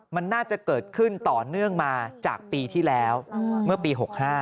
มันน่าจะเกิดขึ้นต่อเนื่องมาจากปีที่แล้วเมื่อปี๖๕